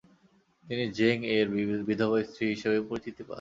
তিনি জেং -এর বিধবা স্ত্রী হিসেবেই পরিচিতি পান।